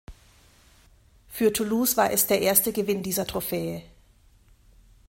Für Toulouse war es der erste Gewinn dieser Trophäe.